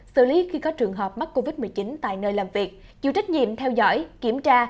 xử lý khi có trường hợp mắc covid một mươi chín tại nơi làm việc chịu trách nhiệm theo dõi kiểm tra